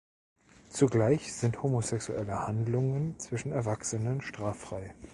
Zugleich sind homosexuelle Handlungen zwischen Erwachsenen straffrei.